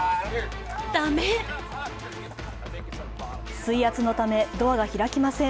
水圧のため、ドアが開きません。